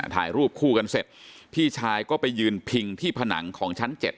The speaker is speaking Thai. ถ่ายรูปคู่กันเสร็จพี่ชายก็ไปยืนพิงที่ผนังของชั้น๗